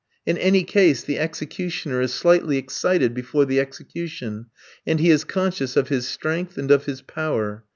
In any case the executioner is slightly excited before the execution, and he is conscious of his strength and of his power.